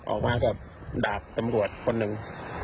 ออกมากับดาบตำรวจคนหนึ่ง